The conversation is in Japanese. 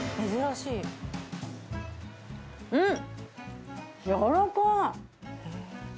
うん！